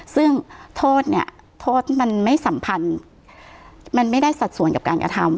ซึ่งโทษเนี่ยโทษมันไม่สัมพันธ์มันไม่ได้สัดส่วนกับการกระทำ